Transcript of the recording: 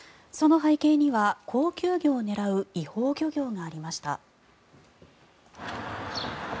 その背景には高級魚を狙う違法漁業がありました。